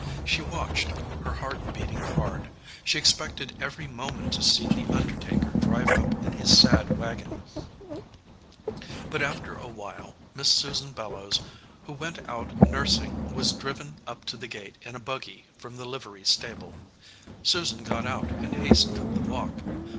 She watched, her heart beating hard. She expected every moment to see the undertaker drive up in his sad wagon, but after a while Miss Susan Bellows, who went out nurs ing, was driven up to the gate in a buggy from the livery stable. Susan got out and hastened up the walk.